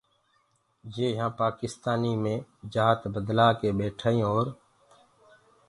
يي يهآنٚ پآڪِستآنيٚ مي جآت بدلآ ڪي ٻيٺائينٚ اور